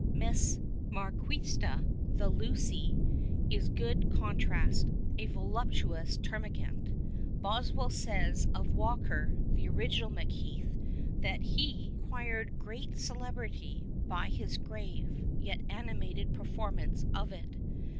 Miss Marqucsita, the Lucy, is a good contrast, a voluptuous termagant. BoswcU says of Walker, the original Macheath, that he " acquired great celebrity by his grave yet animated perform ance of it."